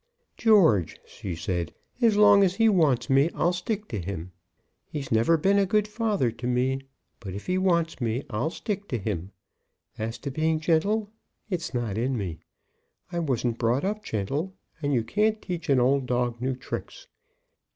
"George," she said, "as long as he wants me, I'll stick to him. He's never been a good father to me; but if he wants me, I'll stick to him. As to being gentle, it's not in me. I wasn't brought up gentle, and you can't teach an old dog new tricks."